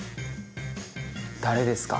誰ですか？